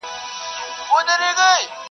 د بل په لاس مار مه وژنه-